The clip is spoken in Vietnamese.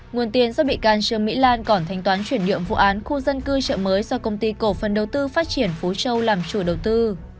nguồn tiền do bị can trương mỹ lan còn thanh toán chuyển nhượng vụ án khu dân cư chợ mới do công ty cổ phần đầu tư phát triển phú châu làm chủ đầu tư